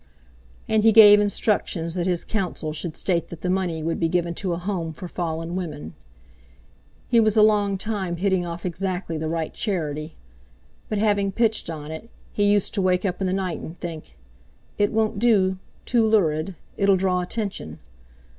And he gave instructions that his Counsel should state that the money would be given to a Home for Fallen Women. He was a long time hitting off exactly the right charity; but, having pitched on it, he used to wake up in the night and think: "It won't do, too lurid; it'll draw attention.